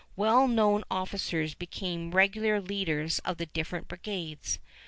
Well known officers became regular leaders of the different brigades.